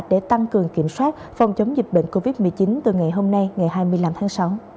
để tăng cường kiểm soát phòng chống dịch bệnh covid một mươi chín từ ngày hôm nay ngày hai mươi năm tháng sáu